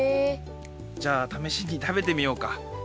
じゃあためしに食べてみようか。